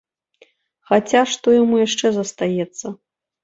Хаця што яму яшчэ застаецца.